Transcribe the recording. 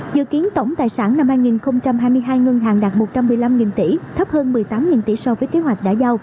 dự kiến tổng tài sản năm hai nghìn hai mươi hai ngân hàng đạt một trăm một mươi năm tỷ thấp hơn một mươi tám tỷ so với kế hoạch đã giao